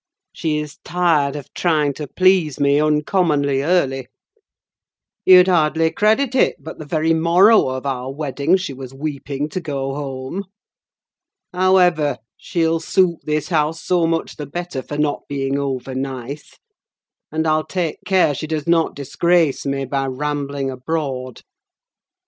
She is tired of trying to please me uncommonly early. You'd hardly credit it, but the very morrow of our wedding she was weeping to go home. However, she'll suit this house so much the better for not being over nice, and I'll take care she does not disgrace me by rambling abroad."